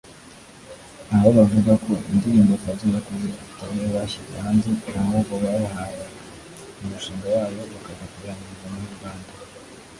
aho bavuga ko indirimbo Fazzo yakoze atariyo bashyize hanze ahubwo yabahaye umushinga wayo bakajya kuyirangiriza muri Uganda